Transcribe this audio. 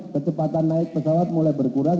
kecepatan naik pesawat mulai berkurang